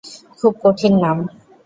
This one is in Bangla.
খুব কঠিন নাম।